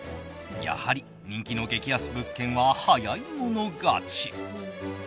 やはり、人気の激安物件は早い者勝ち。